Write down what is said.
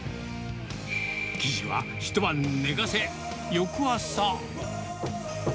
生地は一晩寝かせ、翌朝。